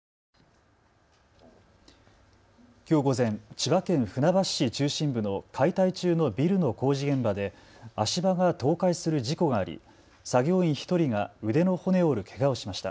きょう午前、千葉県船橋市中心部の解体中のビルの工事現場で足場が倒壊する事故があり作業員１人が腕の骨を折るけがをしました。